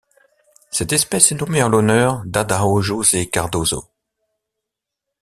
Cette espèce est nommée en l'honneur d'Adão José Cardoso.